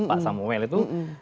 pak samuel itu